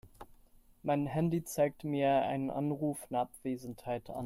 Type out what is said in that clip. Mein Handy zeigt mir einen Anruf in Abwesenheit an.